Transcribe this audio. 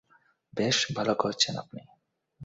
বেশ ভালো করছেন আপনি!